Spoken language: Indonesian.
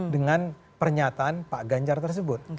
dengan pernyataan pak ganjar tersebut